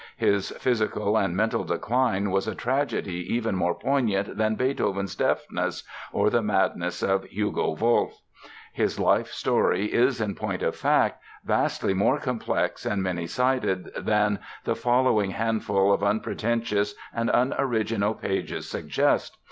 His physical and mental decline was a tragedy even more poignant than Beethoven's deafness or the madness of Hugo Wolf. His life story is, in point of fact, vastly more complex and many sided than the following handful of unpretentious and unoriginal pages suggest.